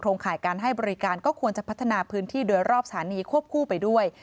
ข่ายการให้บริการก็ควรจะพัฒนาพื้นที่โดยรอบสถานีควบคู่ไปด้วย